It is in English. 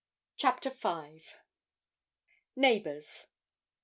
CHAPTER V. NEIGHBOURS.